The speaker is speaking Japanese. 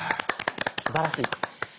すばらしい。